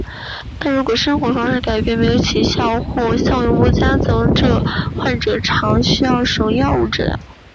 但如果生活方式改变没有起效或效用不佳则这些患者常需要使用药物治疗。